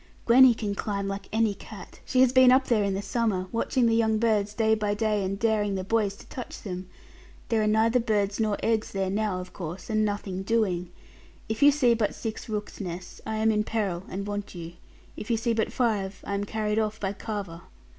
'Gwenny can climb like any cat. She has been up there in the summer, watching the young birds, day by day, and daring the boys to touch them. There are neither birds, nor eggs there now, of course, and nothing doing. If you see but six rooks' nests; I am in peril and want you. If you see but five, I am carried off by Carver.'